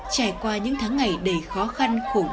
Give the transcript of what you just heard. trải qua những tháng ngày đầy khó khăn khổ nhọc